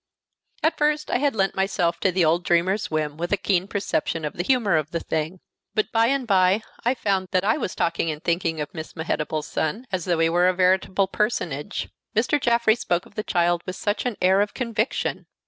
At first I had lent myself to the old dreamer's whim with a keen perception of the humor of the thing; but by and by I found that I was talking and thinking of Miss Mehetabel's son as though he were a veritable personage. Mr. Jaffrey spoke of the child with such an air of conviction!